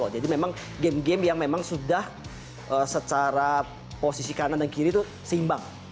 jadi memang game game yang memang sudah secara posisi kanan dan kiri tuh seimbang